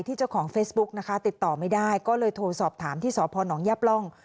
เจ้าของเฟซบุ๊กนะคะติดต่อไม่ได้ก็เลยโทรสอบถามที่สพนยับร่อง